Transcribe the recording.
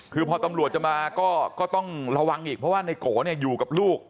คือพอตำรวจจะมาก็ต้องระวังอีกเพราะว่าในโกเนี่ยอยู่กับลูก